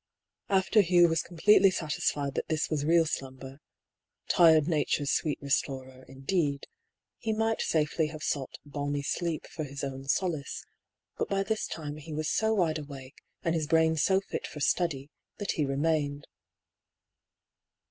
After Hugh was completely satisfied that this was real slumber —" tired Nature's sweet restorer," indeed — he might safely have sought " balmy sleep " for his own solace ; but by this time he was so wide awake, and his brain so fit for study, that he remained.